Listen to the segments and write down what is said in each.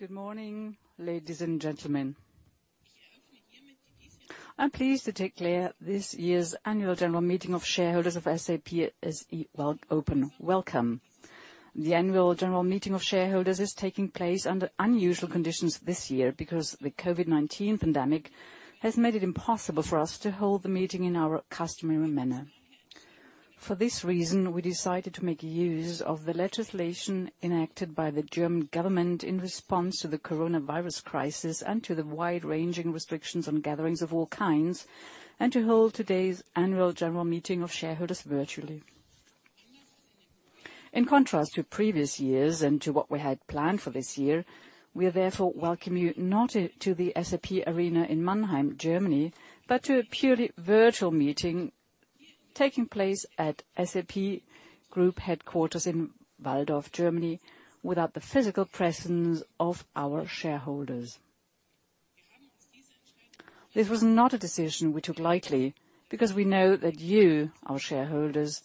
Good morning, ladies and gentlemen. I am pleased to declare this year's Annual General Meeting of Shareholders of SAP SE open. Welcome. The Annual General Meeting of Shareholders is taking place under unusual conditions this year because the COVID-19 pandemic has made it impossible for us to hold the meeting in our customary manner. For this reason, we decided to make use of the legislation enacted by the German government in response to the coronavirus crisis and to the wide-ranging restrictions on gatherings of all kinds, to hold today's Annual General Meeting of Shareholders virtually. In contrast to previous years and to what we had planned for this year, we therefore welcome you not to the SAP Arena in Mannheim, Germany, but to a purely virtual meeting taking place at SAP Group headquarters in Walldorf, Germany, without the physical presence of our shareholders. This was not a decision we took lightly because we know that you, our shareholders,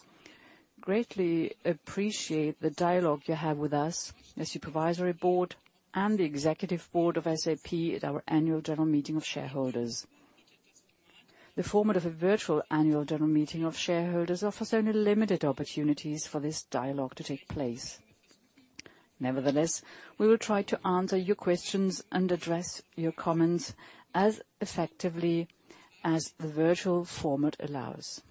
greatly appreciate the dialogue you have with us, the supervisory board and the executive board of SAP at our Annual General Meeting of Shareholders. The format of a virtual Annual General Meeting of Shareholders offers only limited opportunities for this dialogue to take place. We will try to answer your questions and address your comments as effectively as the virtual format allows.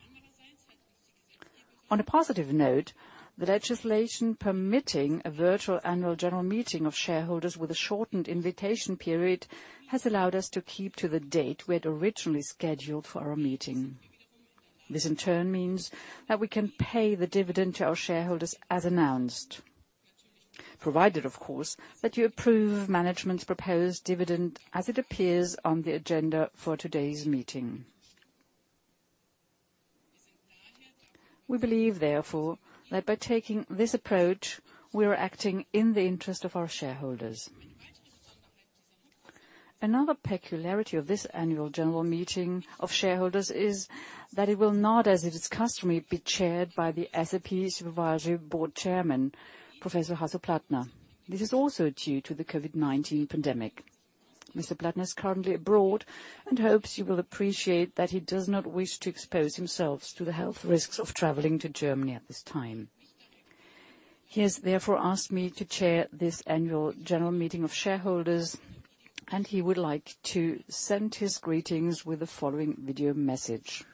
On a positive note, the legislation permitting a virtual Annual General Meeting of Shareholders with a shortened invitation period has allowed us to keep to the date we had originally scheduled for our meeting. This in turn means that we can pay the dividend to our shareholders as announced, provided of course that you approve management's proposed dividend as it appears on the agenda for today's meeting. We believe, therefore, that by taking this approach, we are acting in the interest of our shareholders. Another peculiarity of this Annual General Meeting of Shareholders is that it will not, as it is customary, be chaired by the SAP Supervisory Board Chairman, Professor Hasso Plattner. This is also due to the COVID-19 pandemic. Mr. Plattner is currently abroad and hopes you will appreciate that he does not wish to expose himself to the health risks of traveling to Germany at this time. He has therefore asked me to chair this Annual General Meeting of Shareholders, and he would like to send his greetings with the following video message.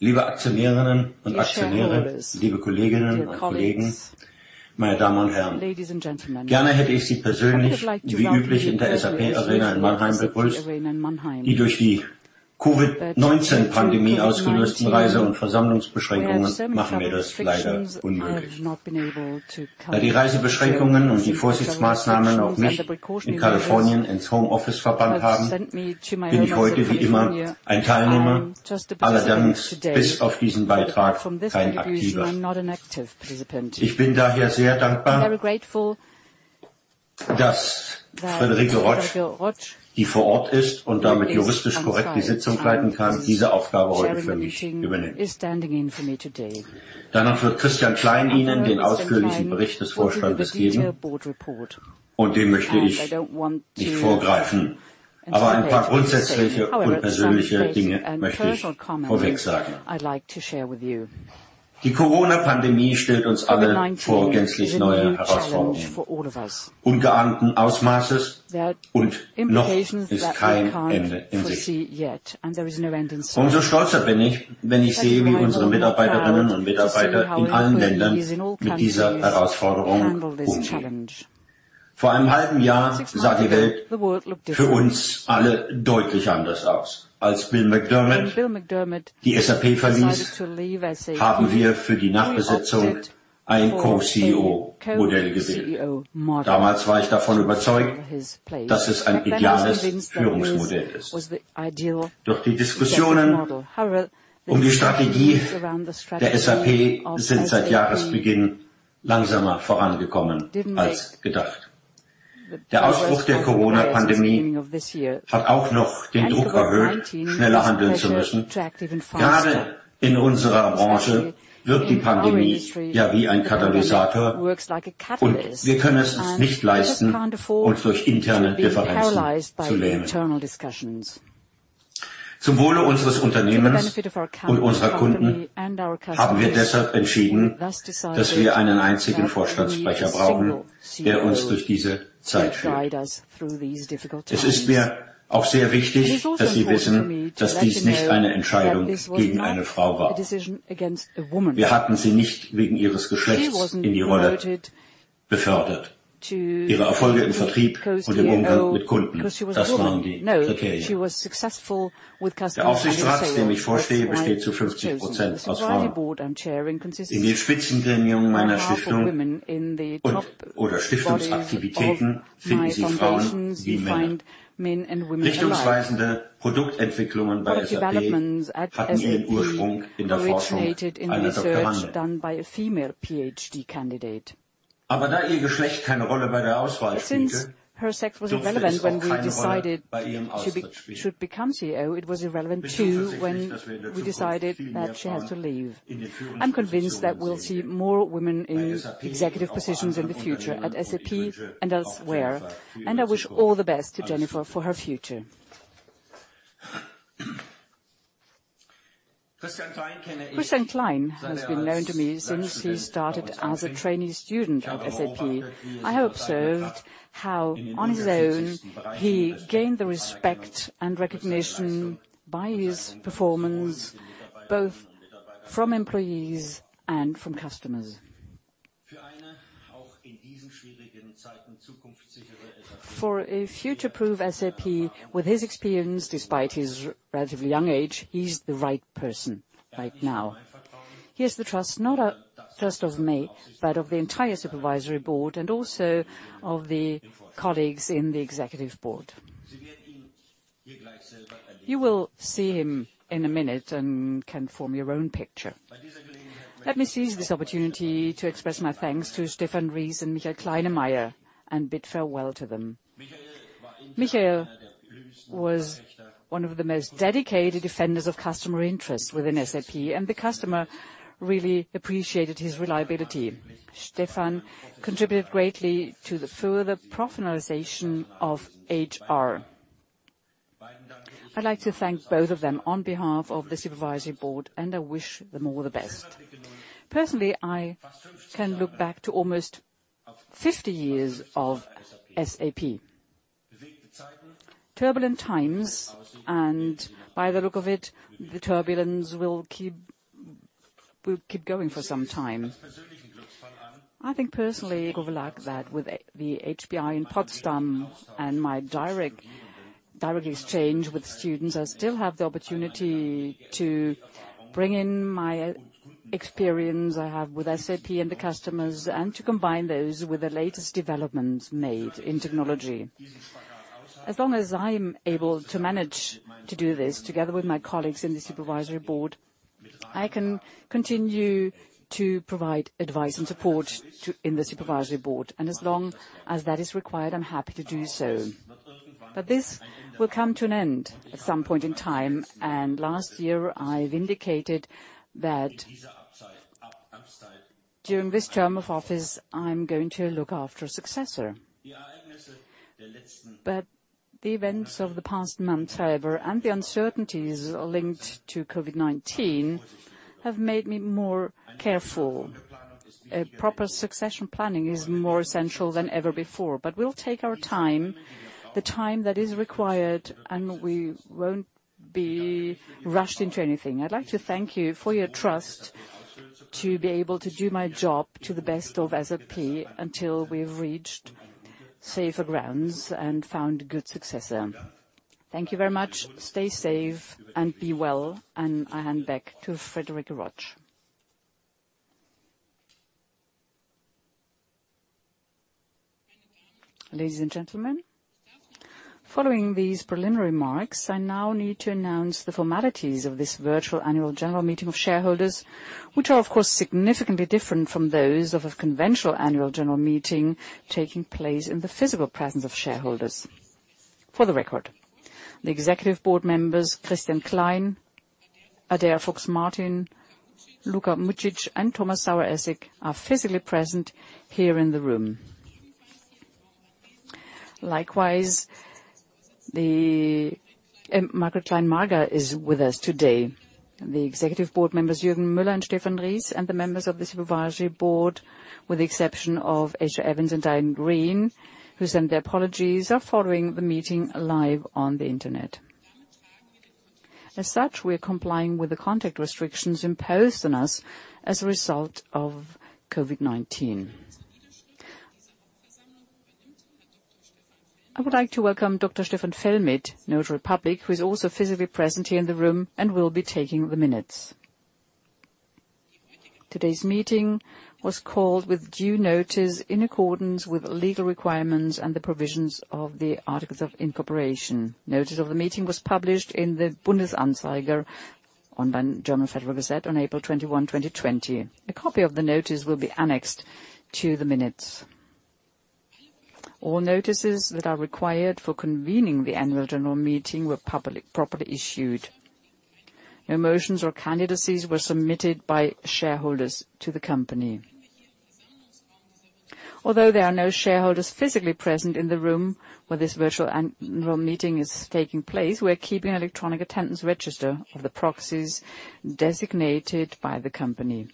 Dear shareholders, dear colleagues, ladies and gentlemen. I would have liked to welcome you personally, as usual, in the SAP Arena in Mannheim. The travel and assembly restrictions caused by the COVID-19 pandemic have unfortunately made this impossible. Since the travel restrictions and precautionary measures have also confined me to my home office in California, I am today, as always, a participant, but apart from this contribution, not an active one. I am therefore very grateful that Friederike Rotsch, who is on site and can therefore legally chair the meeting, is standing in for me today. Christian Klein will then give you the detailed board report, and I don't want to anticipate that. However, there are some basic and personal comments I'd like to share with you. COVID-19 is a new challenge for all of us. There are implications that we can't foresee yet, and there is no end in sight. That is why I am proud to see how our employees in all countries handle this challenge. Six months ago, the world looked different. When Bill McDermott decided to leave SAP, we chose a co-CEO model for the successor. At that time, I was convinced that this was the ideal leadership model. However, the discussions around the strategy of SAP did not progress as quickly as planned at the beginning of the year. The outbreak of the corona pandemic has also increased the pressure to act even faster. Especially in our industry, the pandemic works like a catalyst, and we cannot afford to be paralyzed by internal discussions. For the benefit of our company and our customers, we have therefore decided that we need a single CEO to guide us through these difficult times. It is also important for me to let you know that this was not a decision against a woman. She wasn't promoted to co-CEO because she was a woman. She was successful with customers and in sales. That's why she was chosen. The supervisory board I'm chairing consists of 50% women. In the top bodies of my foundations, you find men and women alike. Product developments at SAP originated in research done by a female PhD candidate. Since her sex was irrelevant when we decided she should become CEO, it was irrelevant, too, when we decided that she had to leave. I'm convinced that we'll see more women in executive positions in the future, at SAP and elsewhere, and I wish all the best to Jennifer for her future. Christian Klein has been known to me since he started as a trainee student at SAP. I observed how, on his own, he gained the respect and recognition by his performance, both from employees and from customers. For a future-proof SAP with his experience, despite his relatively young age, he's the right person right now. He has the trust, not just of me, but of the entire Supervisory Board, and also of the colleagues in the Executive Board. You will see him in one minute and can form your own picture. Let me seize this opportunity to express my thanks to Stefan Ries and Michael Kleinemeier, and bid farewell to them. Michael was one of the most dedicated defenders of customer interests within SAP, and the customer really appreciated his reliability. Stefan contributed greatly to the further professionalization of HR. I'd like to thank both of them on behalf of the supervisory board, and I wish them all the best. Personally, I can look back to almost 50 years of SAP. Turbulent times, and by the look of it, the turbulence will keep going for some time. I think personally, good luck that with the HPI in Potsdam and my direct exchange with students, I still have the opportunity to bring in my experience I have with SAP and the customers, and to combine those with the latest developments made in technology. As long as I'm able to manage to do this together with my colleagues in the supervisory board, I can continue to provide advice and support in the supervisory board. As long as that is required, I'm happy to do so. This will come to an end at some point in time, and last year, I've indicated that during this term of office, I'm going to look after a successor. The events of the past months, however, and the uncertainties linked to COVID-19 have made me more careful. A proper succession planning is more essential than ever before. We'll take our time, the time that is required, and we won't be rushed into anything. I'd like to thank you for your trust to be able to do my job to the best of SAP until we've reached safer grounds and found a good successor. Thank you very much. Stay safe and be well. I hand back to Friederike Rotsch. Ladies and gentlemen, following these preliminary remarks, I now need to announce the formalities of this virtual annual general meeting of shareholders, which are, of course, significantly different from those of a conventional annual general meeting taking place in the physical presence of shareholders. For the record, the executive board members, Christian Klein, Adaire Fox-Martin, Luka Mucic, and Thomas Saueressig, are physically present here in the room. Likewise, Margret Klein-Magar is with us today. The executive board members, Juergen Mueller and Stefan Ries, and the members of the supervisory board, with the exception of Aicha Evans and Diane Greene, who send their apologies, are following the meeting live on the internet. As such, we are complying with the contact restrictions imposed on us as a result of COVID-19. I would like to welcome Dr. Stefan Fellmeth, notary public, who is also physically present here in the room and will be taking the minutes. Today's meeting was called with due notice in accordance with legal requirements and the provisions of the articles of incorporation. Notice of the meeting was published in the "Bundesanzeiger," German Federal Gazette, on April 21, 2020. A copy of the notice will be annexed to the minutes. All notices that are required for convening the annual general meeting were properly issued. No motions or candidacies were submitted by shareholders to the company. Although there are no shareholders physically present in the room where this virtual annual meeting is taking place, we're keeping an electronic attendance register of the proxies designated by the company.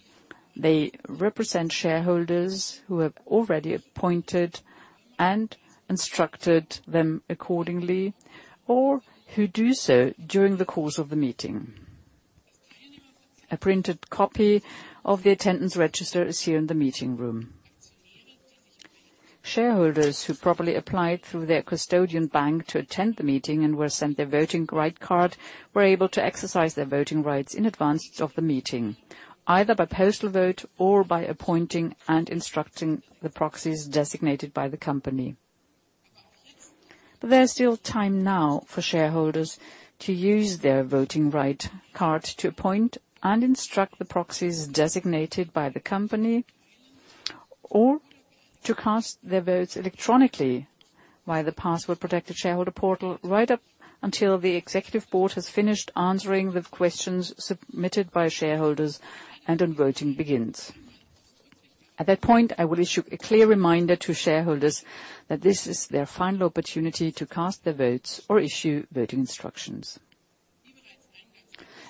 They represent shareholders who have already appointed and instructed them accordingly, or who do so during the course of the meeting. A printed copy of the attendance register is here in the meeting room. Shareholders who properly applied through their custodian bank to attend the meeting and were sent their voting right card were able to exercise their voting rights in advance of the meeting, either by postal vote or by appointing and instructing the proxies designated by the company. There's still time now for shareholders to use their voting right card to appoint and instruct the proxies designated by the company, or to cast their votes electronically via the password-protected shareholder portal, right up until the Executive Board has finished answering the questions submitted by shareholders and then voting begins. At that point, I will issue a clear reminder to shareholders that this is their final opportunity to cast their votes or issue voting instructions.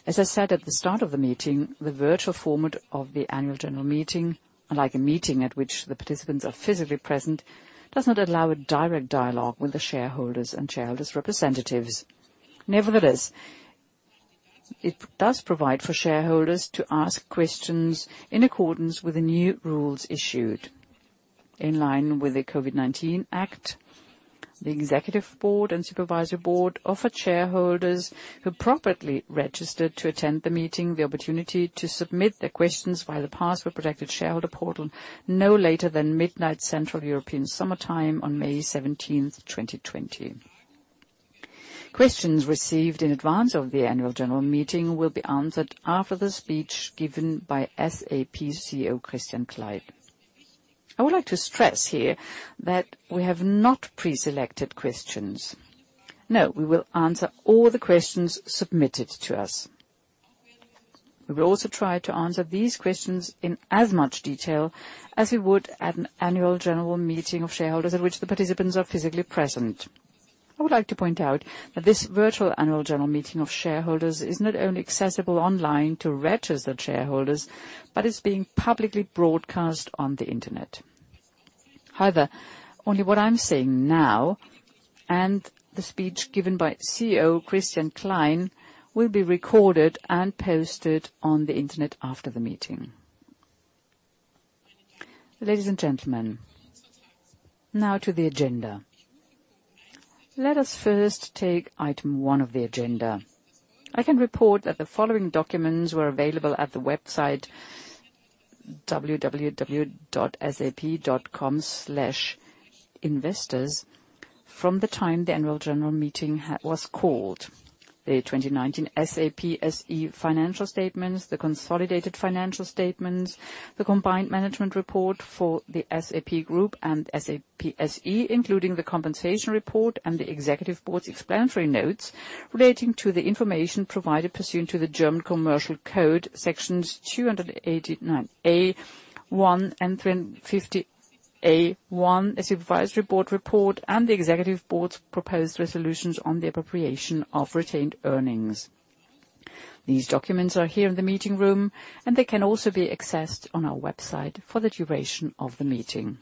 As I said at the start of the meeting, the virtual format of the Annual General Meeting, unlike a meeting at which the participants are physically present, does not allow a direct dialogue with the shareholders and shareholders' representatives. It does provide for shareholders to ask questions in accordance with the new rules issued. In line with the COVID-19 Act, the Executive Board and Supervisory Board offer shareholders who properly registered to attend the meeting the opportunity to submit their questions via the password-protected shareholder portal no later than midnight Central European Summer Time on May 17th, 2020. Questions received in advance of the Annual General Meeting will be answered after the speech given by SAP CEO Christian Klein. I would like to stress here that we have not pre-selected questions. We will answer all the questions submitted to us. We will also try to answer these questions in as much detail as we would at an Annual General Meeting of Shareholders at which the participants are physically present. I would like to point out that this virtual Annual General Meeting of Shareholders is not only accessible online to registered shareholders, but is being publicly broadcast on the internet. However, only what I'm saying now and the speech given by CEO Christian Klein will be recorded and posted on the internet after the meeting. Ladies and gentlemen, now to the agenda. Let us first take item one of the agenda. I can report that the following documents were available at the website www.sap.com/investors from the time the Annual General Meeting was called. The 2019 SAP SE financial statements, the consolidated financial statements, the combined management report for the SAP group and SAP SE, including the compensation report and the Executive Board's explanatory notes relating to the information provided pursuant to the German Commercial Code Sections 289a and 315a, the Supervisory Board report, and the Executive Board's proposed resolutions on the appropriation of retained earnings. These documents are here in the meeting room, and they can also be accessed on our website for the duration of the meeting.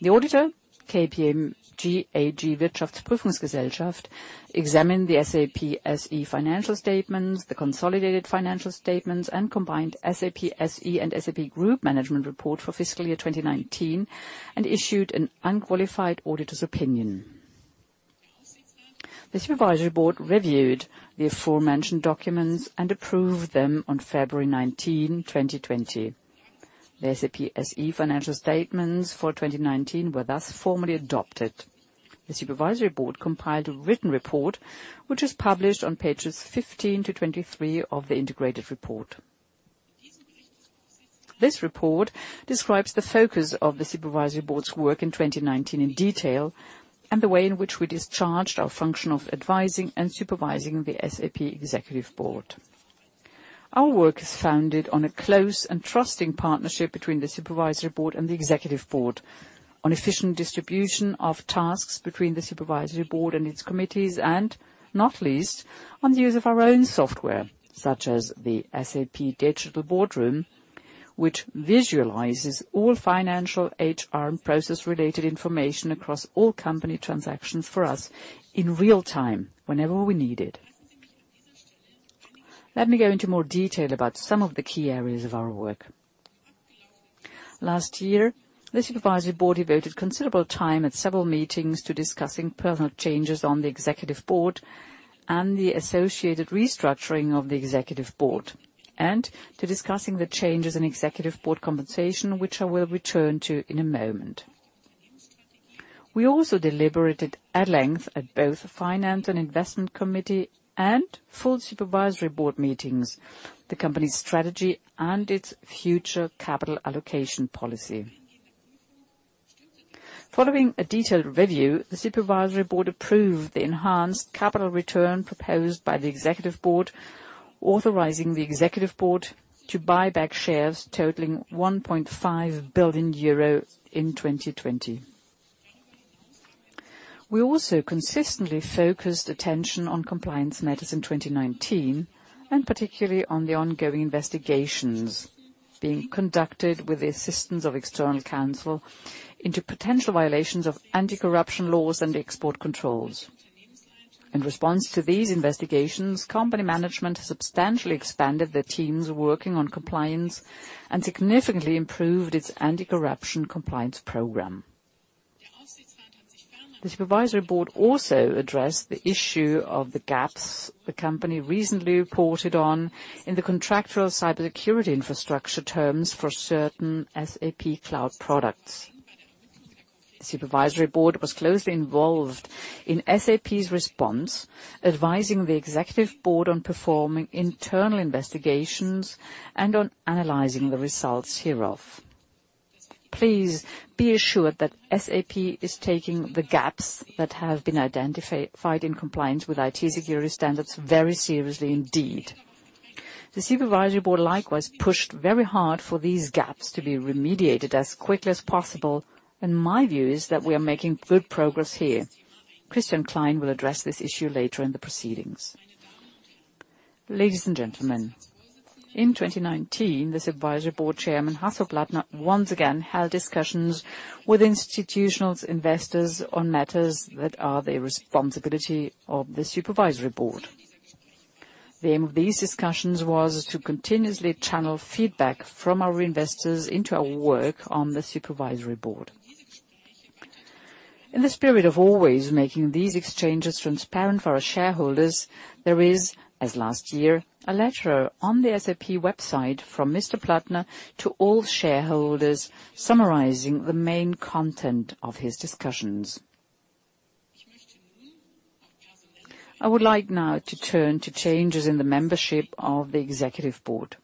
The auditor, KPMG AG, examined the SAP SE financial statements, the consolidated financial statements, and combined SAP SE and SAP group management report for fiscal year 2019, and issued an unqualified auditor's opinion. The Supervisory Board reviewed the aforementioned documents and approved them on February 19, 2020. The SAP SE financial statements for 2019 were thus formally adopted. The Supervisory Board compiled a written report, which is published on pages 15 to 23 of the integrated report. This report describes the focus of the Supervisory Board's work in 2019 in detail, and the way in which we discharged our function of advising and supervising the SAP Executive Board. Our work is founded on a close and trusting partnership between the Supervisory Board and the Executive Board, on efficient distribution of tasks between the Supervisory Board and its committees, and, not least, on the use of our own software, such as the SAP Digital Boardroom, which visualizes all financial, HR, and process-related information across all company transactions for us in real time, whenever we need it. Let me go into more detail about some of the key areas of our work. Last year, the Supervisory Board devoted considerable time at several meetings to discussing personnel changes on the Executive Board and the associated restructuring of the Executive Board, and to discussing the changes in Executive Board compensation, which I will return to in a moment. We also deliberated at length at both Finance and Investment Committee and full Supervisory Board meetings, the company's strategy and its future capital allocation policy. Following a detailed review, the Supervisory Board approved the enhanced capital return proposed by the Executive Board, authorizing the Executive Board to buy back shares totaling 1.5 billion euro in 2020. We also consistently focused attention on compliance matters in 2019, and particularly on the ongoing investigations being conducted with the assistance of external counsel into potential violations of anti-corruption laws and export controls. In response to these investigations, company management substantially expanded their teams working on compliance and significantly improved its anti-corruption compliance program. The Supervisory Board also addressed the issue of the gaps the company recently reported on in the contractual cybersecurity infrastructure terms for certain SAP cloud products. The Supervisory Board was closely involved in SAP's response, advising the Executive Board on performing internal investigations and on analyzing the results hereof. Please be assured that SAP is taking the gaps that have been identified in compliance with IT security standards very seriously indeed. The Supervisory Board likewise pushed very hard for these gaps to be remediated as quickly as possible, and my view is that we are making good progress here. Christian Klein will address this issue later in the proceedings. Ladies and gentlemen, in 2019, the Supervisory Board Chairman, Hasso Plattner, once again held discussions with institutional investors on matters that are the responsibility of the supervisory board. The aim of these discussions was to continuously channel feedback from our investors into our work on the supervisory board. In the spirit of always making these exchanges transparent for our shareholders, there is, as last year, a letter on the SAP website from Mr. Plattner to all shareholders summarizing the main content of his discussions. I would like now to turn to changes in the membership of the Executive Board.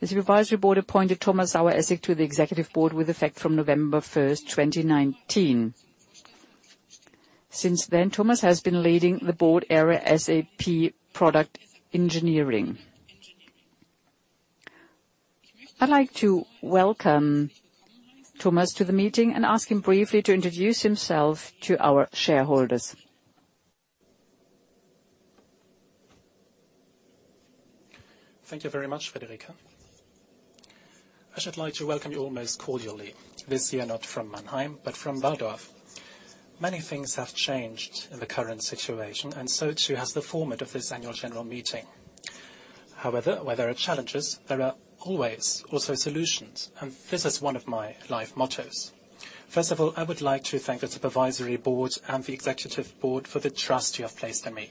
The supervisory board appointed Thomas Saueressig to the Executive Board with effect from November 1st, 2019. Since then, Thomas has been leading the board area SAP Product Engineering. I'd like to welcome Thomas to the meeting and ask him briefly to introduce himself to our shareholders. Thank you very much, Friederike. I should like to welcome you all most cordially this year, not from Mannheim, but from Walldorf. Many things have changed in the current situation, and so too has the format of this annual general meeting. However, where there are challenges, there are always also solutions, and this is one of my life mottos. First of all, I would like to thank the supervisory board and the executive board for the trust you have placed in me.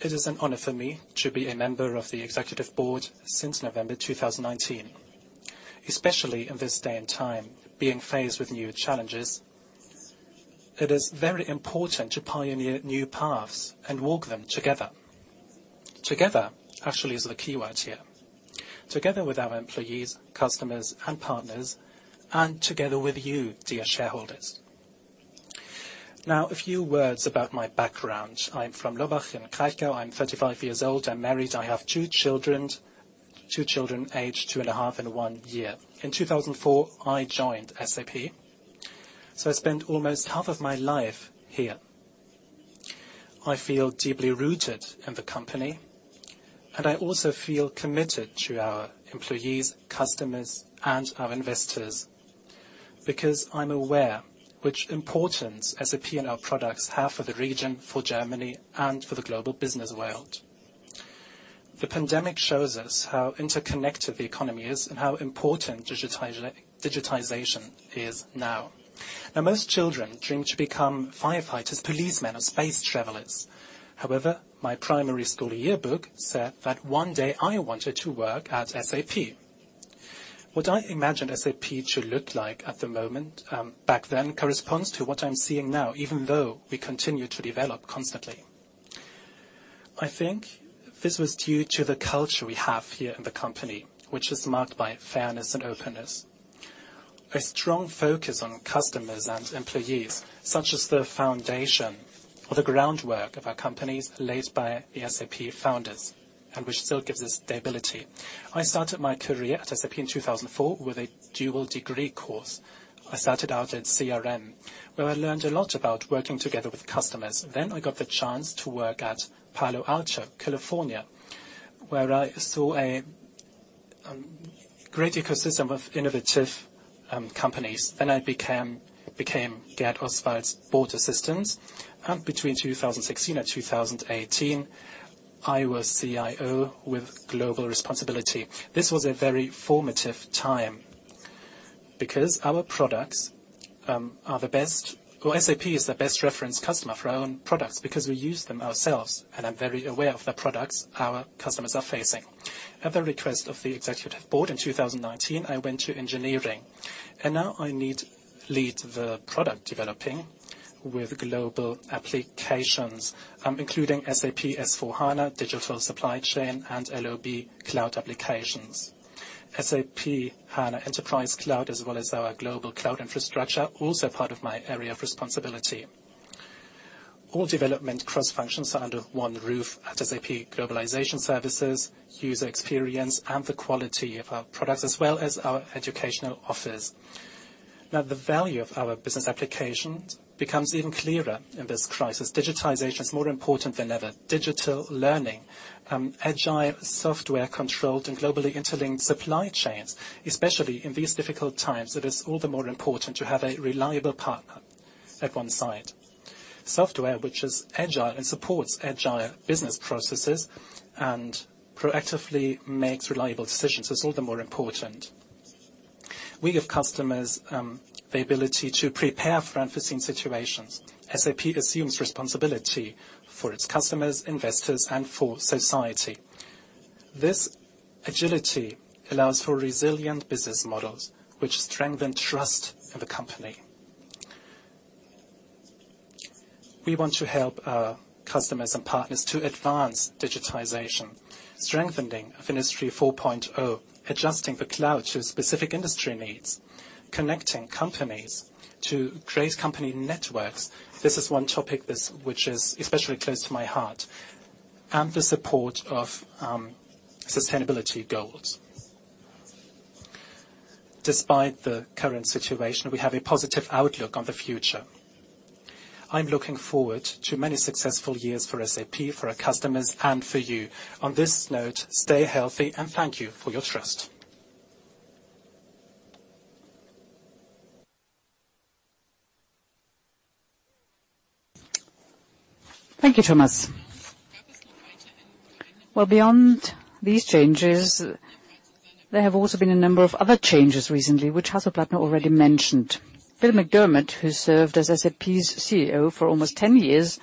It is an honor for me to be a member of the executive board since November 2019. Especially in this day and time, being faced with new challenges, it is very important to pioneer new paths and walk them together. Together actually is the keyword here, together with our employees, customers, and partners, and together with you, dear shareholders. Now, a few words about my background. I'm from Lobbach in Kraichgau. I'm 35 years old. I'm married. I have two children aged two and a half and one year. In 2004, I joined SAP. I spent almost half of my life here. I feel deeply rooted in the company, and I also feel committed to our employees, customers, and our investors, because I'm aware which importance SAP and our products have for the region, for Germany, and for the global business world. The pandemic shows us how interconnected the economy is and how important digitization is now. Most children dream to become firefighters, policemen, or space travelers. However, my primary school yearbook said that one day I wanted to work at SAP. What I imagined SAP should look like at the moment back then corresponds to what I'm seeing now, even though we continue to develop constantly. I think this was due to the culture we have here in the company, which is marked by fairness and openness. A strong focus on customers and employees, such as the foundation or the groundwork of our companies laid by the SAP founders, and which still gives us stability. I started my career at SAP in 2004 with a dual degree course. I started out at CRM, where I learned a lot about working together with customers. I got the chance to work at Palo Alto, California, where I saw a great ecosystem of innovative companies. I became Gerhard Oswald's board assistant. Between 2016 and 2018, I was CIO with global responsibility. This was a very formative time because our products are the best, or SAP is the best reference customer for our own products because we use them ourselves, and I'm very aware of the products our customers are facing. At the request of the Executive Board in 2019, I went to engineering, and now I lead the product development with global applications, including SAP S/4HANA, digital supply chain, and LoB cloud applications. SAP HANA Enterprise Cloud, as well as our global cloud infrastructure, is also part of my area of responsibility. All development cross-functions are under one roof at SAP Globalization Services, user experience, and the quality of our products, as well as our educational offers. Now, the value of our business applications becomes even clearer in this crisis. Digitization is more important than ever. Digital learning, agile software controlled and globally interlinked supply chains, especially in these difficult times, it is all the more important to have a reliable partner at one side. Software which is agile and supports agile business processes and proactively makes reliable decisions is all the more important. We give customers the ability to prepare for unforeseen situations. SAP assumes responsibility for its customers, investors, and for society. This agility allows for resilient business models which strengthen trust in the company. We want to help our customers and partners to advance digitization, strengthening Industry 4.0, adjusting the cloud to specific industry needs, connecting companies to create company networks, this is one topic which is especially close to my heart, and the support of sustainability goals. Despite the current situation, we have a positive outlook on the future. I'm looking forward to many successful years for SAP, for our customers, and for you. On this note, stay healthy, and thank you for your trust. Thank you, Thomas. Well, beyond these changes, there have also been a number of other changes recently, which Hasso Plattner already mentioned. Bill McDermott, who served as SAP's CEO for almost 10 years,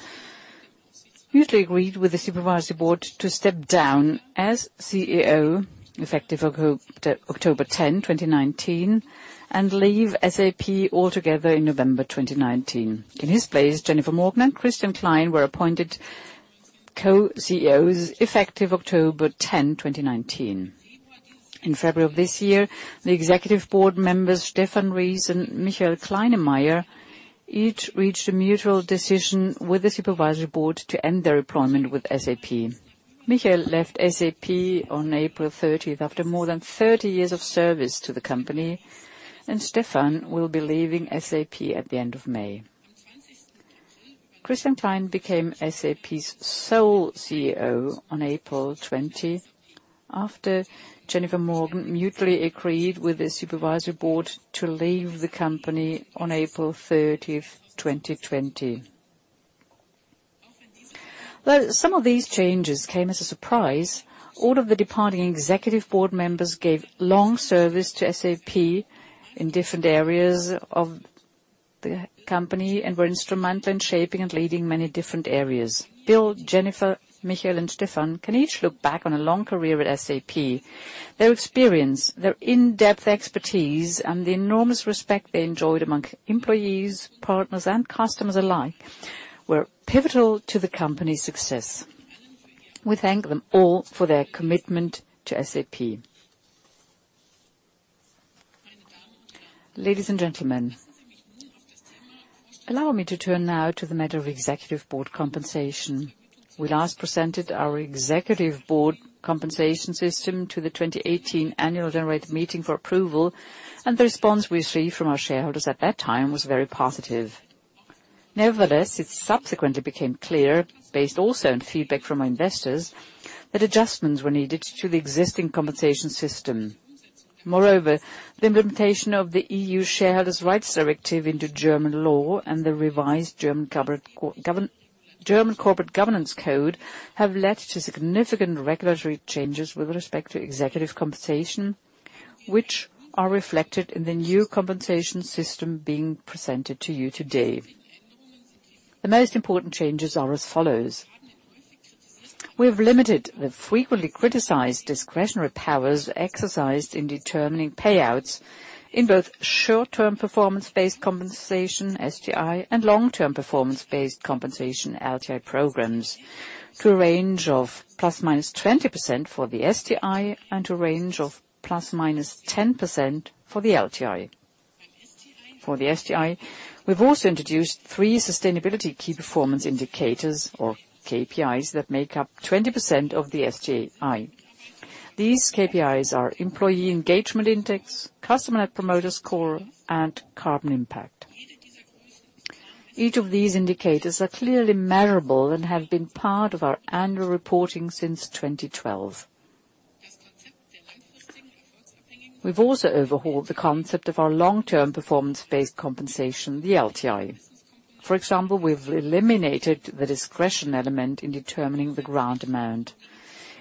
mutually agreed with the supervisory board to step down as CEO, effective October 10th, 2019, and leave SAP altogether in November 2019. In his place, Jennifer Morgan and Christian Klein were appointed co-CEOs effective October 10, 2019. In February of this year, the executive board members, Stefan Ries and Michael Kleinemeier, each reached a mutual decision with the supervisory board to end their employment with SAP. Michael left SAP on April 30th after more than 30 years of service to the company. Stefan will be leaving SAP at the end of May. Christian Klein became SAP's sole CEO on April 20, after Jennifer Morgan mutually agreed with the supervisory board to leave the company on April 30, 2020. Though some of these changes came as a surprise, all of the departing executive board members gave long service to SAP in different areas of the company and were instrumental in shaping and leading many different areas. Bill, Jennifer, Michael, and Stefan can each look back on a long career at SAP. Their experience, their in-depth expertise, and the enormous respect they enjoyed among employees, partners, and customers alike were pivotal to the company's success. We thank them all for their commitment to SAP. Ladies and gentlemen, allow me to turn now to the matter of executive board compensation. We last presented our executive board compensation system to the 2018 annual general meeting for approval, and the response we received from our shareholders at that time was very positive. Nevertheless, it subsequently became clear, based also on feedback from our investors, that adjustments were needed to the existing compensation system. Moreover, the implementation of the EU Shareholders' Rights Directive into German law and the revised German Corporate Governance Code have led to significant regulatory changes with respect to executive compensation, which are reflected in the new compensation system being presented to you today. The most important changes are as follows. We have limited the frequently criticized discretionary powers exercised in determining payouts in both short-term performance-based compensation, STI, and long-term performance-based compensation, LTI programs, to a range of ±20% for the STI and a range of ±10% for the LTI. For the STI, we've also introduced three sustainability Key Performance Indicators, or KPIs, that make up 20% of the STI. These KPIs are Employee Engagement Index, Customer Net Promoter Score, and carbon impact. Each of these indicators are clearly measurable and have been part of our annual reporting since 2012. We've also overhauled the concept of our long-term performance-based compensation, the LTI. For example, we've eliminated the discretion element in determining the grant amount.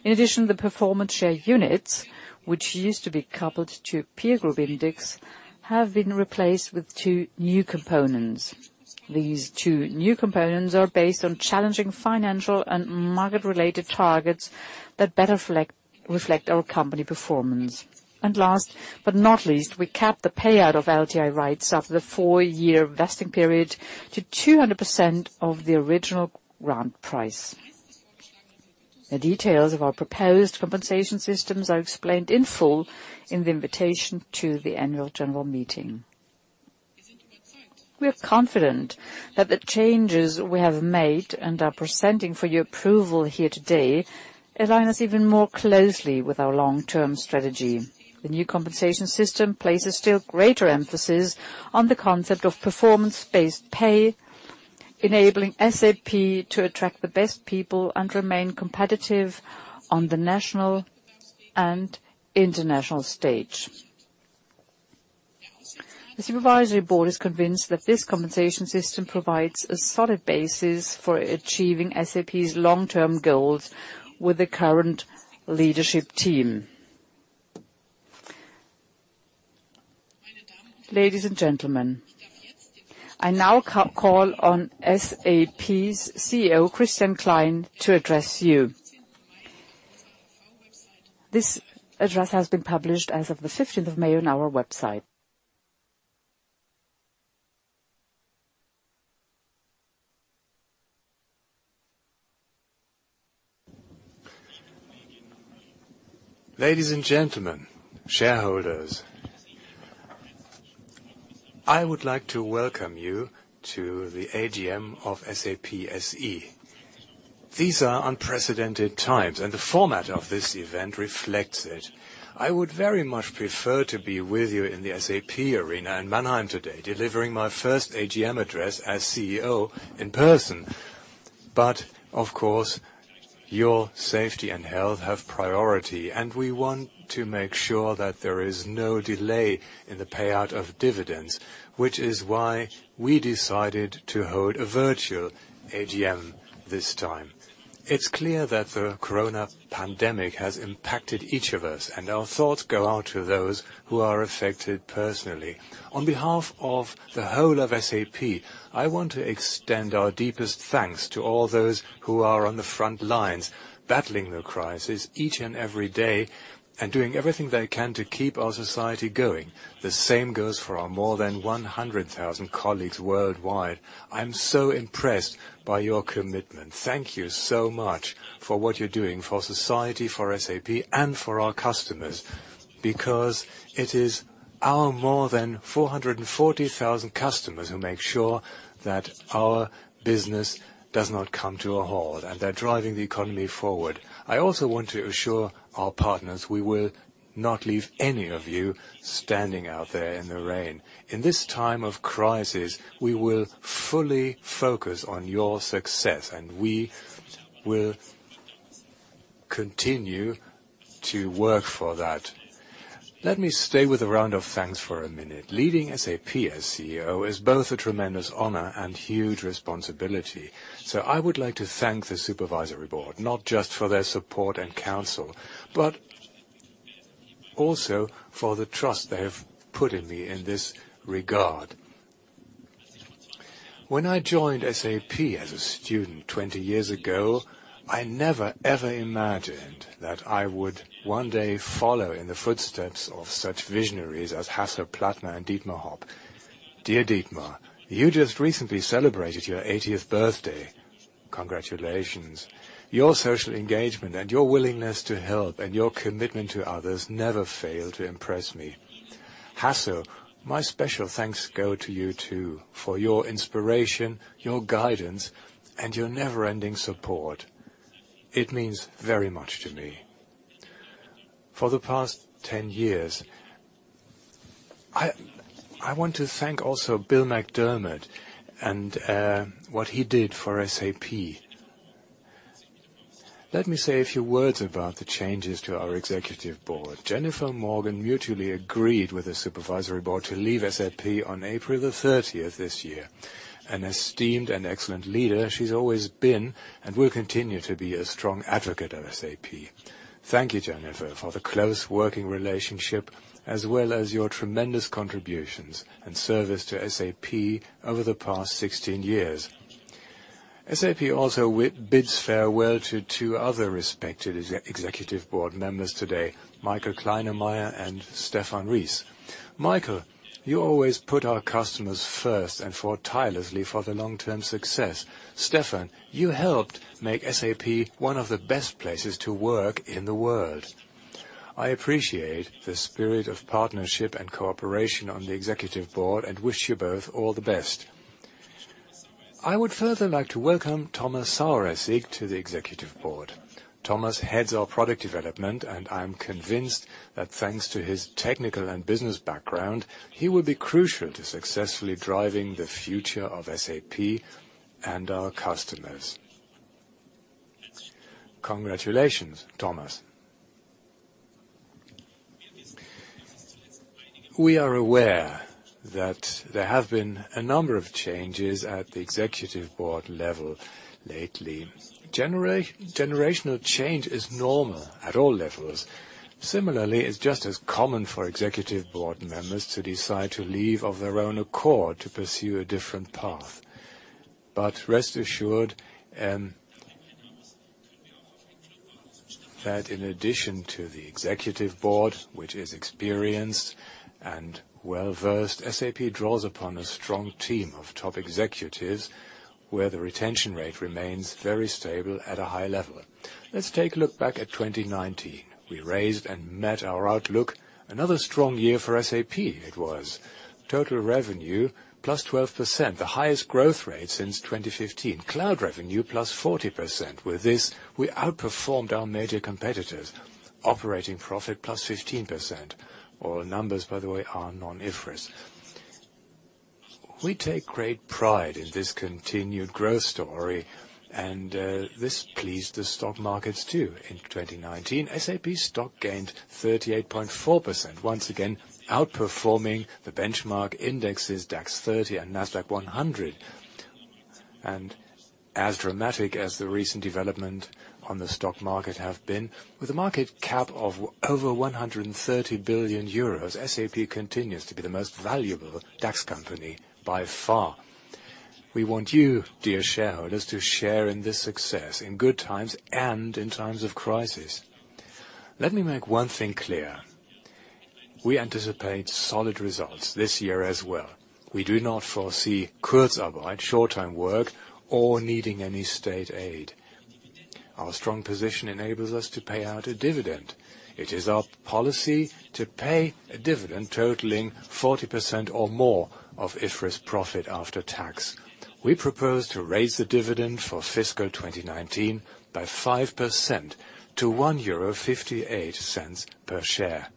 In addition, the Performance Share Units, which used to be coupled to peer group index, have been replaced with two new components. These two new components are based on challenging financial and market-related targets that better reflect our company performance. Last but not least, we capped the payout of LTI rights after the four-year vesting period to 200% of the original grant price. The details of our proposed compensation systems are explained in full in the invitation to the annual general meeting. We are confident that the changes we have made and are presenting for your approval here today align us even more closely with our long-term strategy. The new compensation system places still greater emphasis on the concept of performance-based pay, enabling SAP to attract the best people and remain competitive on the national and international stage. The Supervisory Board is convinced that this compensation system provides a solid basis for achieving SAP's long-term goals with the current leadership team. Ladies and gentlemen, I now call on SAP's CEO, Christian Klein, to address you. This address has been published as of the 15th of May on our website. Ladies and gentlemen, shareholders. I would like to welcome you to the AGM of SAP SE. These are unprecedented times. The format of this event reflects it. I would very much prefer to be with you in the SAP arena in Mannheim today, delivering my first AGM address as CEO in person. Of course, your safety and health have priority. We want to make sure that there is no delay in the payout of dividends, which is why we decided to hold a virtual AGM this time. It's clear that the coronavirus pandemic has impacted each of us. Our thoughts go out to those who are affected personally. On behalf of the whole of SAP, I want to extend our deepest thanks to all those who are on the front lines, battling the crisis each and every day and doing everything they can to keep our society going. The same goes for our more than 100,000 colleagues worldwide. I'm so impressed by your commitment. Thank you so much for what you're doing for society, for SAP, and for our customers. It is our more than 440,000 customers who make sure that our business does not come to a halt, and they're driving the economy forward. I also want to assure our partners we will not leave any of you standing out there in the rain. In this time of crisis, we will fully focus on your success, and we will continue to work for that. Let me stay with a round of thanks for a minute. Leading SAP as CEO is both a tremendous honor and huge responsibility. I would like to thank the supervisory board, not just for their support and counsel, but also for the trust they have put in me in this regard. When I joined SAP as a student 20 years ago, I never, ever imagined that I would one day follow in the footsteps of such visionaries as Hasso Plattner and Dietmar Hopp. Dear Dietmar, you just recently celebrated your 80th birthday. Congratulations. Your social engagement and your willingness to help and your commitment to others never fail to impress me. Hasso, my special thanks go to you, too, for your inspiration, your guidance, and your never-ending support. It means very much to me. For the past 10 years I want to thank also Bill McDermott and what he did for SAP. Let me say a few words about the changes to our Executive Board. Jennifer Morgan mutually agreed with the Supervisory Board to leave SAP on April the 30th this year. An esteemed and excellent leader she's always been, and will continue to be a strong advocate of SAP. Thank you, Jennifer, for the close working relationship as well as your tremendous contributions and service to SAP over the past 16 years. SAP also bids farewell to two other respected Executive Board members today, Michael Kleinemeier and Stefan Ries. Michael, you always put our customers first and fought tirelessly for the long-term success. Stefan, you helped make SAP one of the best places to work in the world. I appreciate the spirit of partnership and cooperation on the Executive Board and wish you both all the best. I would further like to welcome Thomas Saueressig to the Executive Board. Thomas heads our product development, and I'm convinced that thanks to his technical and business background, he will be crucial to successfully driving the future of SAP and our customers. Congratulations, Thomas. We are aware that there have been a number of changes at the executive board level lately. Generational change is normal at all levels. Similarly, it's just as common for executive board members to decide to leave of their own accord to pursue a different path. Rest assured, that in addition to the executive board, which is experienced and well-versed, SAP draws upon a strong team of top executives, where the retention rate remains very stable at a high level. Let's take a look back at 2019. We raised and met our outlook. Another strong year for SAP it was. Total revenue plus 12%, the highest growth rate since 2015. Cloud revenue plus 40%. With this, we outperformed our major competitors. Operating profit plus 15%. All numbers, by the way, are non-IFRS. We take great pride in this continued growth story, and this pleased the stock markets, too. In 2019, SAP stock gained 38.4%, once again outperforming the benchmark indexes DAX 30 and Nasdaq-100. As dramatic as the recent development on the stock market have been, with a market cap of over 130 billion euros, SAP continues to be the most valuable DAX company by far. We want you, dear shareholders, to share in this success in good times and in times of crisis. Let me make one thing clear. We anticipate solid results this year as well. We do not foresee Kurzarbeit, short-time work, or needing any state aid. Our strong position enables us to pay out a dividend. It is our policy to pay a dividend totaling 40% or more of IFRS profit after tax. We propose to raise the dividend for fiscal 2019 by 5% to 1.58 euro per share.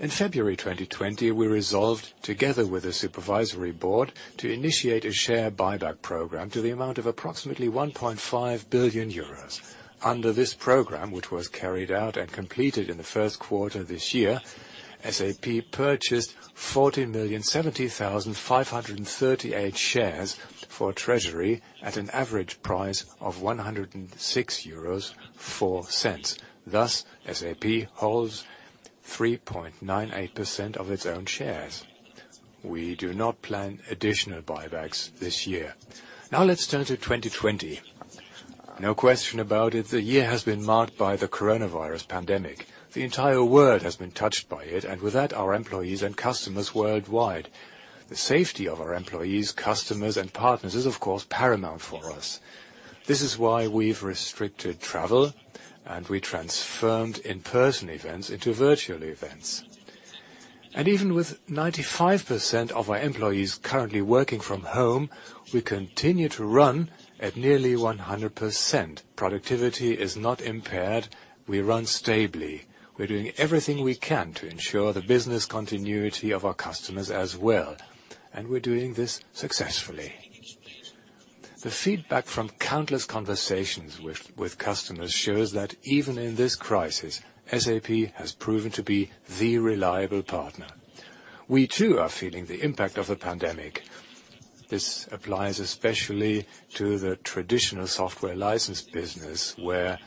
In February 2020, we resolved together with the supervisory board to initiate a share buyback program to the amount of approximately 1.5 billion euros. Under this program, which was carried out and completed in the first quarter this year, SAP purchased 14,070,538 shares for treasury at an average price of 106.04 euros. Thus, SAP holds 3.98% of its own shares. We do not plan additional buybacks this year. Let's turn to 2020. No question about it, the year has been marked by the COVID-19 pandemic. The entire world has been touched by it, and with that, our employees and customers worldwide. The safety of our employees, customers, and partners is, of course, paramount for us. This is why we've restricted travel, and we transformed in-person events into virtual events. Even with 95% of our employees currently working from home, we continue to run at nearly 100%. Productivity is not impaired. We run stably. We're doing everything we can to ensure the business continuity of our customers as well, and we're doing this successfully. The feedback from countless conversations with customers shows that even in this crisis, SAP has proven to be the reliable partner. We too are feeling the impact of the pandemic. This applies especially to the traditional software license business, where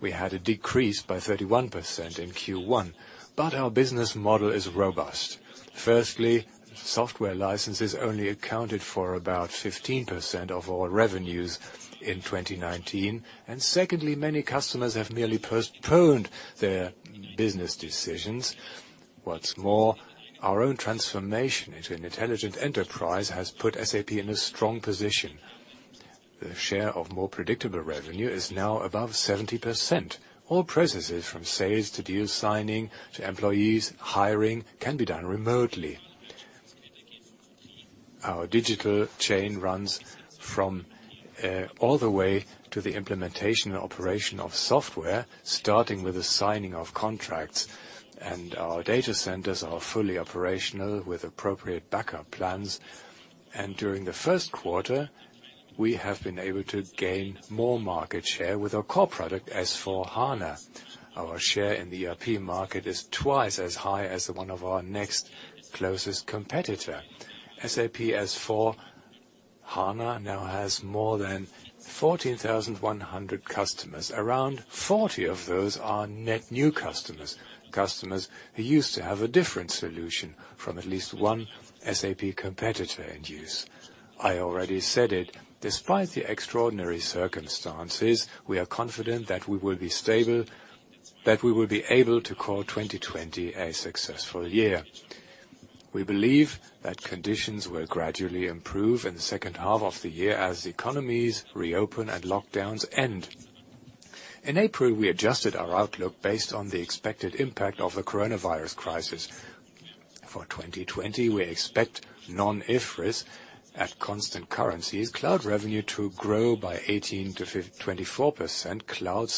we had a decrease by 31% in Q1. Our business model is robust. Firstly, software licenses only accounted for about 15% of all revenues in 2019. Secondly, many customers have merely postponed their business decisions. Our own transformation into an intelligent enterprise has put SAP in a strong position. The share of more predictable revenue is now above 70%. All processes from sales to deal signing to employees hiring can be done remotely. Our digital chain runs from all the way to the implementation and operation of software, starting with the signing of contracts, and our data centers are fully operational with appropriate backup plans. During the first quarter, we have been able to gain more market share with our core product, S/4HANA. Our share in the ERP market is twice as high as one of our next closest competitor. SAP S/4HANA now has more than 14,100 customers. Around 40 of those are net new customers who used to have a different solution from at least one SAP competitor in use. I already said it, despite the extraordinary circumstances, we are confident that we will be able to call 2020 a successful year. We believe that conditions will gradually improve in the second half of the year as economies reopen and lockdowns end. In April, we adjusted our outlook based on the expected impact of the coronavirus crisis. For 2020, we expect non-IFRS at constant currencies, cloud revenue to grow by 18%-24%, cloud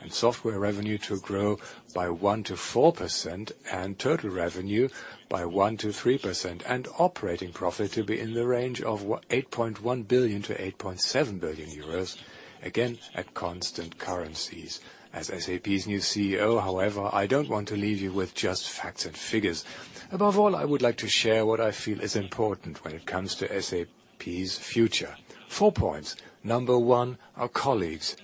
and software revenue to grow by 1%-4%, and total revenue by 1%-3%, and operating profit to be in the range of 8.1 billion-8.7 billion euros, again at constant currencies. As SAP's new CEO, however, I don't want to leave you with just facts and figures. Above all, I would like to share what I feel is important when it comes to SAP's future. Four points. Number one, our colleagues.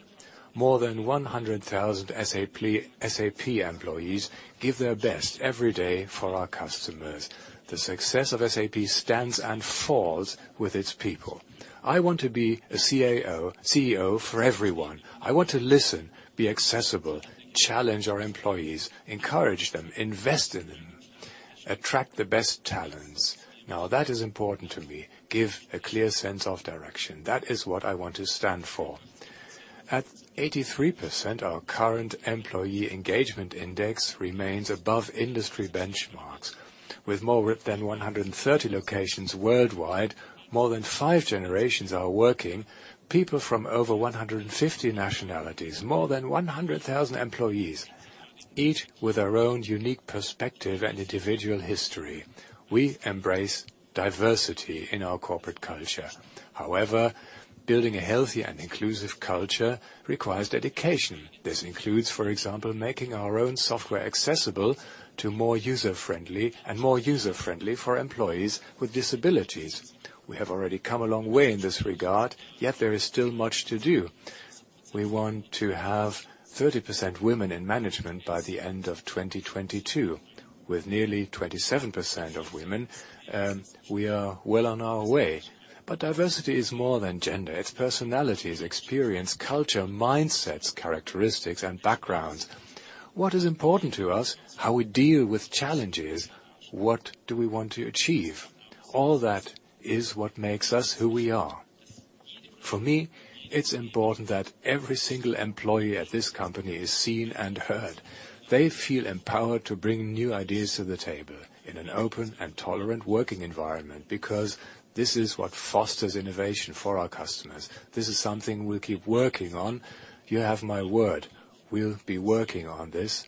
More than 100,000 SAP employees give their best every day for our customers. The success of SAP stands and falls with its people. I want to be a CEO for everyone. I want to listen, be accessible, challenge our employees, encourage them, invest in them, attract the best talents. Now, that is important to me. Give a clear sense of direction. That is what I want to stand for. At 83%, our current Employee Engagement Index remains above industry benchmarks. With more than 130 locations worldwide, more than five generations are working, people from over 150 nationalities, more than 100,000 employees, each with their own unique perspective and individual history. We embrace diversity in our corporate culture. However, building a healthy and inclusive culture requires dedication. This includes, for example, making our own software accessible and more user-friendly for employees with disabilities. We have already come a long way in this regard, yet there is still much to do. We want to have 30% women in management by the end of 2022. With nearly 27% of women, we are well on our way. Diversity is more than gender. It's personalities, experience, culture, mindsets, characteristics, and backgrounds. What is important to us, how we deal with challenges, what do we want to achieve? All that is what makes us who we are. For me, it's important that every single employee at this company is seen and heard. They feel empowered to bring new ideas to the table in an open and tolerant working environment, because this is what fosters innovation for our customers. This is something we'll keep working on. You have my word, we'll be working on this.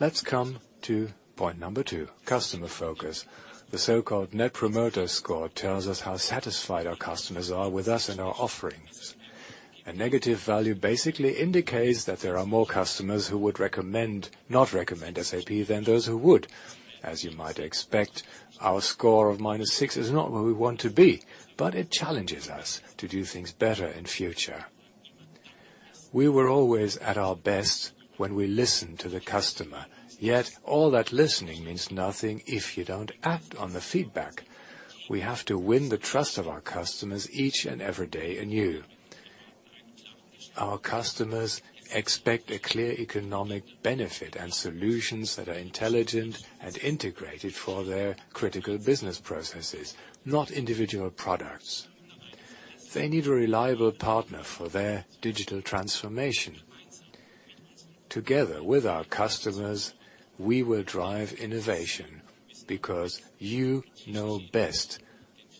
Let's come to point number two, customer focus. The so-called Net Promoter Score tells us how satisfied our customers are with us and our offerings. A negative value basically indicates that there are more customers who would not recommend SAP than those who would. As you might expect, our score of minus six is not where we want to be, but it challenges us to do things better in future. All that listening means nothing if you don't act on the feedback. We have to win the trust of our customers each and every day anew. Our customers expect a clear economic benefit and solutions that are intelligent and integrated for their critical business processes, not individual products. They need a reliable partner for their digital transformation. Together with our customers, we will drive innovation because you know best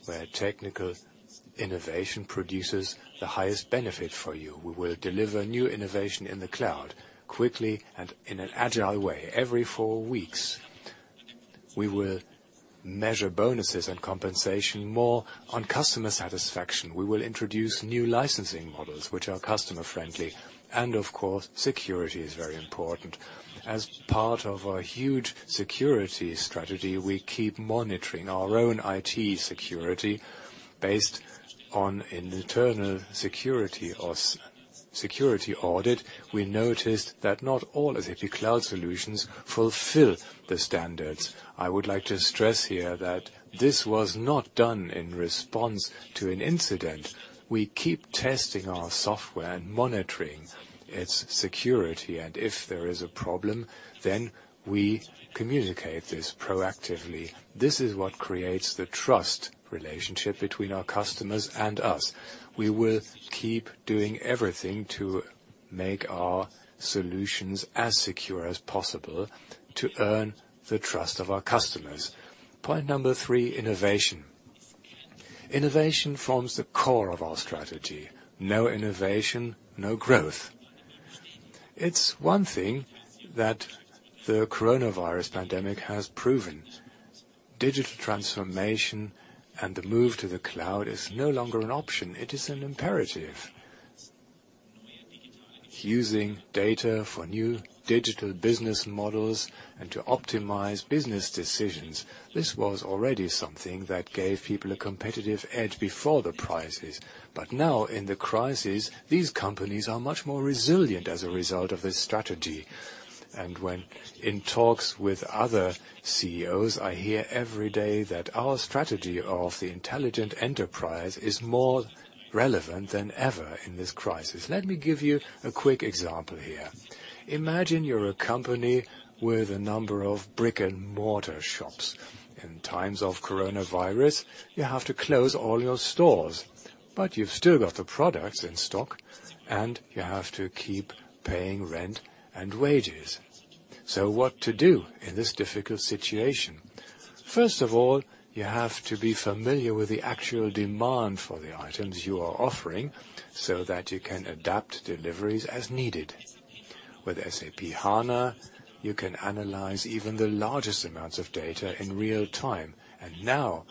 where technical innovation produces the highest benefit for you. We will deliver new innovation in the cloud quickly and in an agile way every four weeks. We will measure bonuses and compensation more on customer satisfaction. We will introduce new licensing models which are customer friendly, and of course, security is very important. As part of our huge security strategy, we keep monitoring our own IT security based on an internal security audit. We noticed that not all SAP Cloud solutions fulfill the standards. I would like to stress here that this was not done in response to an incident. We keep testing our software and monitoring its security, and if there is a problem, then we communicate this proactively. This is what creates the trust relationship between our customers and us. We will keep doing everything to make our solutions as secure as possible to earn the trust of our customers. Point 3, innovation. Innovation forms the core of our strategy. No innovation, no growth. It's one thing that the coronavirus pandemic has proven. Digital transformation and the move to the cloud is no longer an option, it is an imperative. Using data for new digital business models and to optimize business decisions, this was already something that gave people a competitive edge before the crisis. Now in the crisis, these companies are much more resilient as a result of this strategy. When in talks with other CEOs, I hear every day that our strategy of the Intelligent Enterprise is more relevant than ever in this crisis. Let me give you a quick example here. Imagine you're a company with a number of brick-and-mortar shops. In times of COVID-19, you have to close all your stores, but you've still got the products in stock, and you have to keep paying rent and wages. What to do in this difficult situation? First of all, you have to be familiar with the actual demand for the items you are offering, so that you can adapt deliveries as needed. With SAP HANA, you can analyze even the largest amounts of data in real time. Now,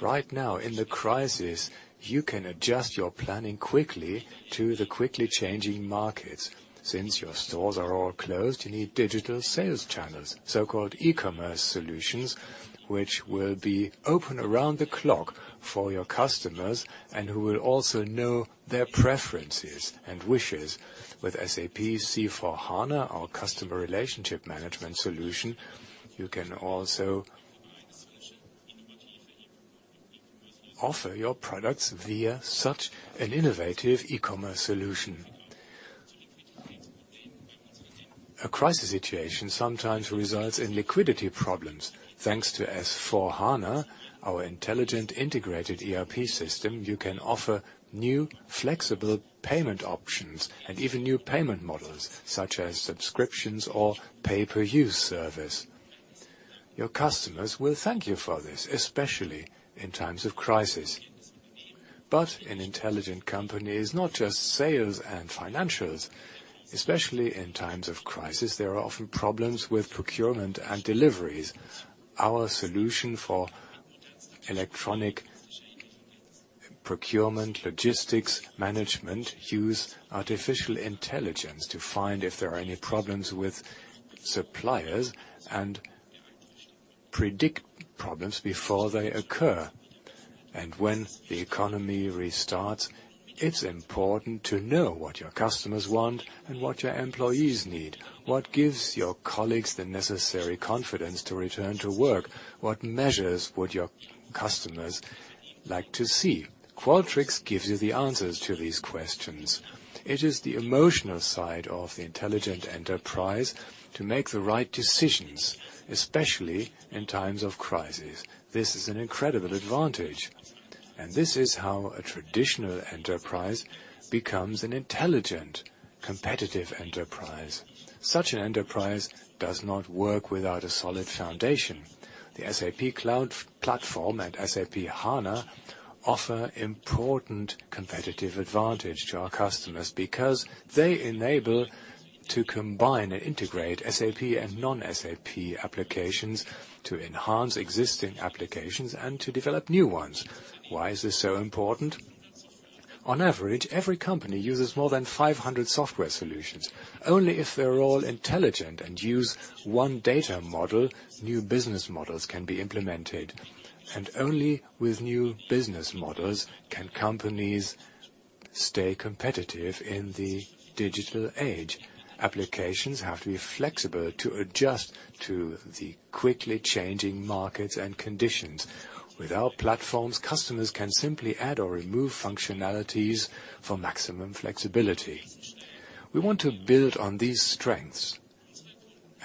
right now in the crisis, you can adjust your planning quickly to the quickly changing markets. Since your stores are all closed, you need digital sales channels, so-called e-commerce solutions, which will be open around the clock for your customers, and who will also know their preferences and wishes. With SAP C/4HANA, our customer relationship management solution, you can also offer your products via such an innovative e-commerce solution. A crisis situation sometimes results in liquidity problems. Thanks to S/4HANA, our intelligent integrated ERP system, you can offer new flexible payment options and even new payment models, such as subscriptions or pay-per-use service. Your customers will thank you for this, especially in times of crisis. An intelligent company is not just sales and financials. Especially in times of crisis, there are often problems with procurement and deliveries. Our solution for electronic procurement logistics management use artificial intelligence to find if there are any problems with suppliers and predict problems before they occur. When the economy restarts, it's important to know what your customers want and what your employees need. What gives your colleagues the necessary confidence to return to work? What measures would your customers like to see? Qualtrics gives you the answers to these questions. It is the emotional side of the intelligent enterprise to make the right decisions, especially in times of crisis. This is an incredible advantage, and this is how a traditional enterprise becomes an intelligent, competitive enterprise. Such an enterprise does not work without a solid foundation. The SAP Cloud Platform and SAP HANA offer important competitive advantage to our customers because they enable to combine and integrate SAP and non-SAP applications to enhance existing applications and to develop new ones. Why is this so important? On average, every company uses more than 500 software solutions. Only if they're all intelligent and use one data model, new business models can be implemented, and only with new business models can companies stay competitive in the digital age. Applications have to be flexible to adjust to the quickly changing markets and conditions. With our platforms, customers can simply add or remove functionalities for maximum flexibility. We want to build on these strengths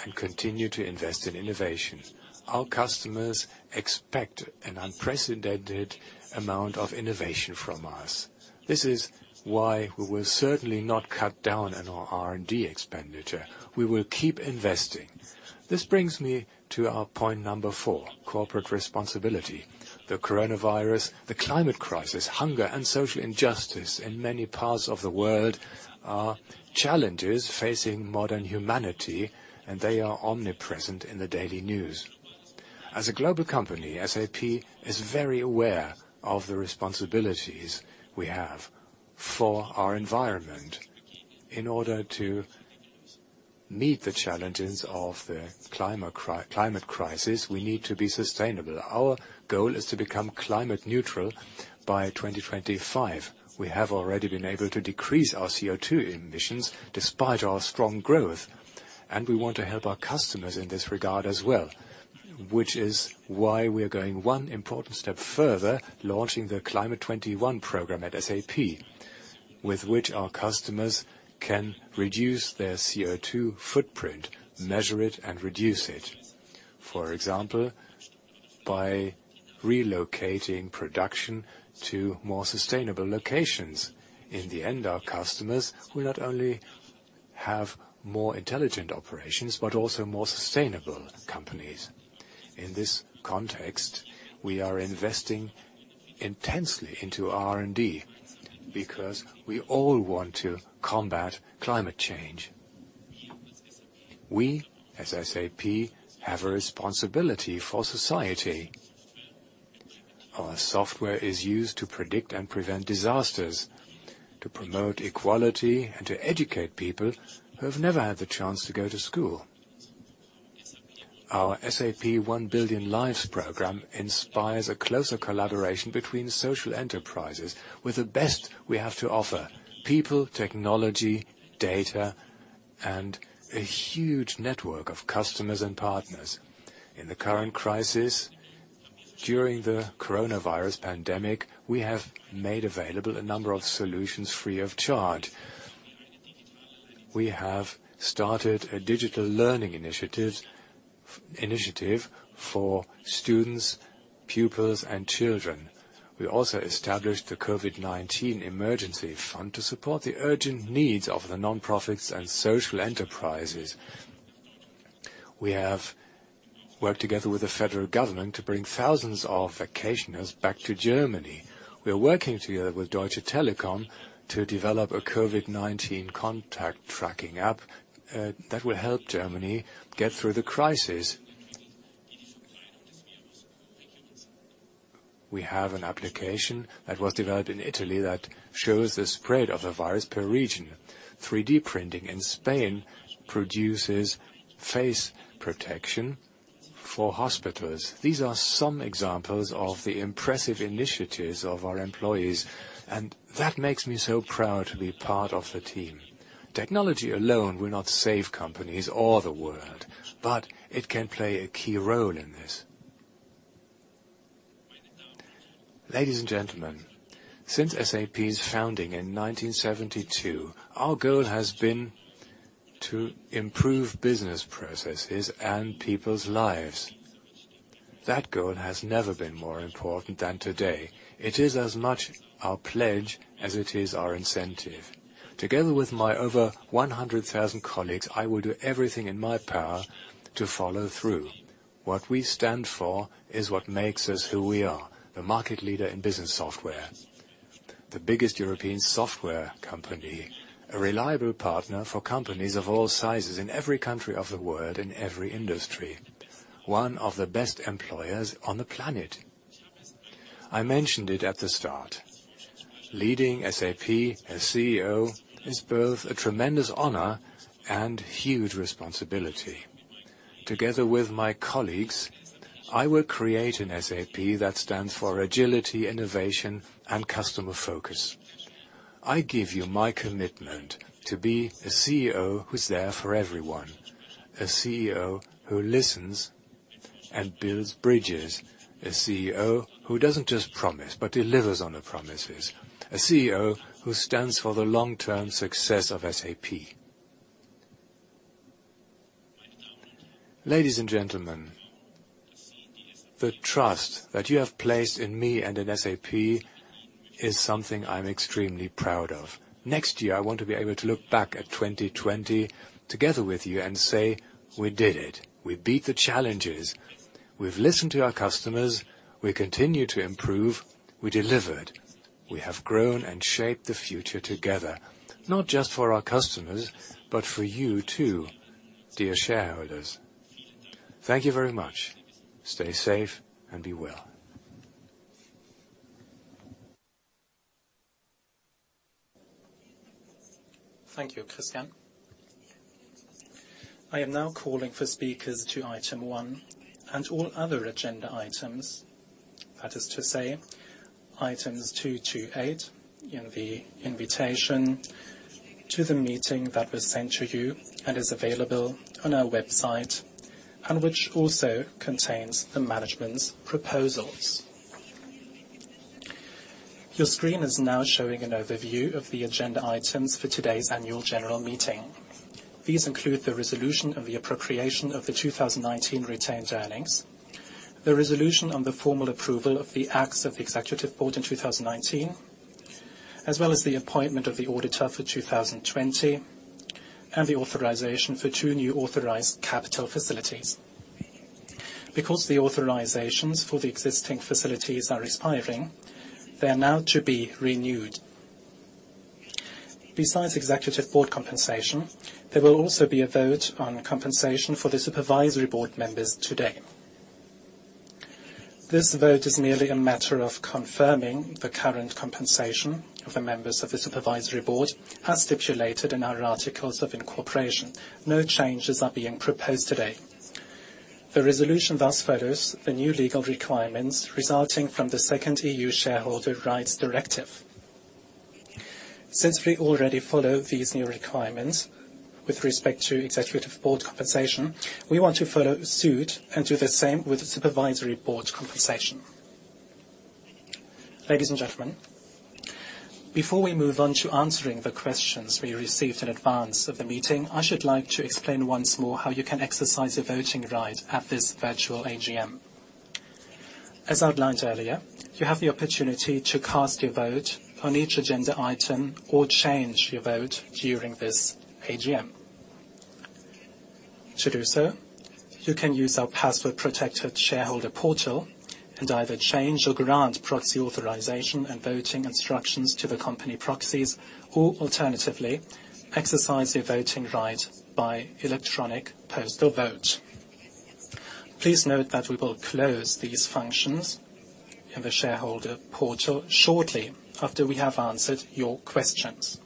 and continue to invest in innovation. Our customers expect an unprecedented amount of innovation from us. This is why we will certainly not cut down on our R&D expenditure. We will keep investing. This brings me to our point number four, corporate responsibility. The coronavirus, the climate crisis, hunger, and social injustice in many parts of the world are challenges facing modern humanity, and they are omnipresent in the daily news. As a global company, SAP is very aware of the responsibilities we have for our environment. In order to meet the challenges of the climate crisis, we need to be sustainable. Our goal is to become climate neutral by 2025. We have already been able to decrease our CO2 emissions despite our strong growth, and we want to help our customers in this regard as well, which is why we are going one important step further, launching the Climate 21 program at SAP, with which our customers can reduce their CO2 footprint, measure it, and reduce it. For example, by relocating production to more sustainable locations. In the end, our customers will not only have more intelligent operations, but also more sustainable companies. In this context, we are investing intensely into R&D because we all want to combat climate change. We, as SAP, have a responsibility for society. Our software is used to predict and prevent disasters, to promote equality, and to educate people who have never had the chance to go to school. Our SAP One Billion Lives program inspires a closer collaboration between social enterprises with the best we have to offer: people, technology, data, and a huge network of customers and partners. In the current crisis, during the coronavirus pandemic, we have made available a number of solutions free of charge. We have started a digital learning initiative for students, pupils, and children. We also established the COVID-19 Emergency Fund to support the urgent needs of the nonprofits and social enterprises. We have worked together with the federal government to bring thousands of vacationers back to Germany. We are working together with Deutsche Telekom to develop a COVID-19 contact tracking app that will help Germany get through the crisis. We have an application that was developed in Italy that shows the spread of the virus per region. 3D printing in Spain produces face protection for hospitals. These are some examples of the impressive initiatives of our employees. That makes me so proud to be part of the team. Technology alone will not save companies or the world. It can play a key role in this. Ladies and gentlemen, since SAP's founding in 1972, our goal has been to improve business processes and people's lives. That goal has never been more important than today. It is as much our pledge as it is our incentive. Together with my over 100,000 colleagues, I will do everything in my power to follow through. What we stand for is what makes us who we are, the market leader in business software, the biggest European software company, a reliable partner for companies of all sizes in every country of the world, in every industry, one of the best employers on the planet. I mentioned it at the start. Leading SAP as CEO is both a tremendous honor and huge responsibility. Together with my colleagues, I will create an SAP that stands for agility, innovation, and customer focus. I give you my commitment to be a CEO who's there for everyone, a CEO who listens and builds bridges, a CEO who doesn't just promise but delivers on the promises, a CEO who stands for the long-term success of SAP. Ladies and gentlemen, the trust that you have placed in me and in SAP is something I'm extremely proud of. Next year, I want to be able to look back at 2020 together with you and say, "We did it. We beat the challenges. We've listened to our customers. We continue to improve. We delivered. We have grown and shaped the future together, not just for our customers, but for you too, dear shareholders." Thank you very much. Stay safe and be well. Thank you, Christian. I am now calling for speakers to item one and all other agenda items. That is to say items two to eight in the invitation to the meeting that was sent to you and is available on our website, and which also contains the management's proposals. Your screen is now showing an overview of the agenda items for today's annual general meeting. These include the resolution of the appropriation of the 2019 retained earnings, the resolution on the formal approval of the acts of the Executive Board in 2019, as well as the appointment of the auditor for 2020, and the authorization for two new authorized capital facilities. Because the authorizations for the existing facilities are expiring, they are now to be renewed. Besides Executive Board compensation, there will also be a vote on compensation for the Supervisory Board members today. This vote is merely a matter of confirming the current compensation of the members of the supervisory board, as stipulated in our articles of incorporation. No changes are being proposed today. The resolution thus follows the new legal requirements resulting from the Second EU Shareholder Rights Directive. Since we already follow these new requirements with respect to executive board compensation, we want to follow suit and do the same with supervisory board compensation. Ladies and gentlemen, before we move on to answering the questions we received in advance of the meeting, I should like to explain once more how you can exercise your voting right at this virtual AGM. As outlined earlier, you have the opportunity to cast your vote on each agenda item or change your vote during this AGM. To do so, you can use our password-protected shareholder portal and either change or grant proxy authorization and voting instructions to the company proxies, or alternatively, exercise your voting right by electronic postal vote. Please note that we will close these functions in the shareholder portal shortly after we have answered your questions.